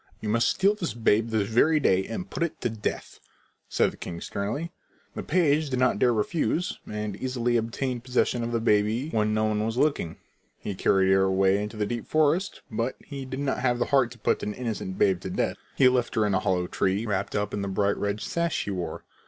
"You must steal this babe this very day and put it to death," said the king sternly. The page did not dare refuse, and easily obtained possession of the baby when no one was looking. He carried her away into the deep forest, but he did not have the heart to put an innocent babe to death. He left her in a hollow tree, wrapped up in the bright red sash he wore.